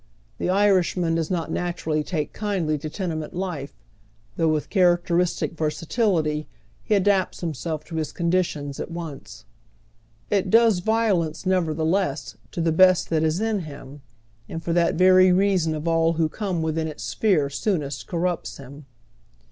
The Irishman does not naturally take kindly to tenement life, though with characteristic versatility he adapts himself to its conditions at once. It does viol ence, nevertheless, to the best that is in him, and for that very reason of all who come within its sphere soonest cori'upts him.